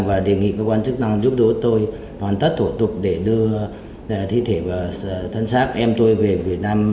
và đề nghị cơ quan chức năng giúp đỡ tôi hoàn tất thủ tục để đưa thi thể và thân xác em tôi về việt nam